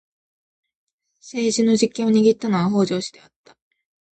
政治の実権を握ったのは北条氏であった。